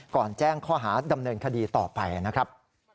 แจ้งข้อหาดำเนินคดีต่อไปนะครับ